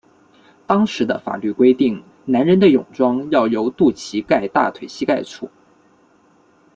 当时的法律规定男人的泳装要由肚脐盖大腿膝盖处。